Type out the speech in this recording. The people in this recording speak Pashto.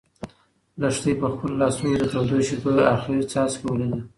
لښتې په خپلو لاسو کې د تودو شيدو اخري څاڅکی ولید.